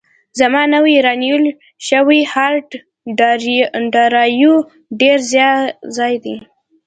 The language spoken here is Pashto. زما نوی رانیول شوی هارډ ډرایو ډېر ځای لري.